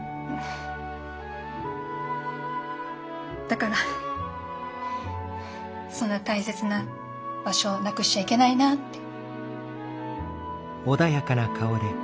だからそんな大切な場所をなくしちゃいけないなって。